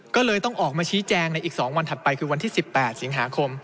ก็เลยต้องออกมาชี้แจงในอีก๒วันถัดไปคือวันที่๑๘สิงหาคม